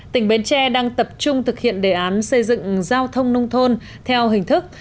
tỉnh bến tre đang tập trung thực hiện đề án xây dựng giao thông nông thôn theo hình thức